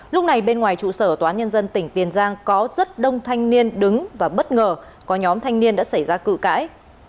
lúc này bên ngoài trụ sở tòa án nhân dân tỉnh tiền giang có rất đông thanh niên đứng và bất ngờ có nhóm thanh niên đã xảy ra cự cãi